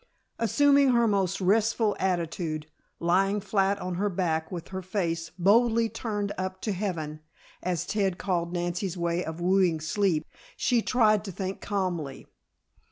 Assuming her most restful attitude lying flat on her back with her face "boldly turned up to Heaven," as Ted called Nancy's way of wooing sleep, she tried to think calmly.